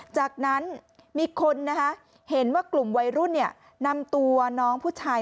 จากนั้นมีคนเห็นว่ากลุ่มวัยรุ่นนำตัวน้องผู้ชาย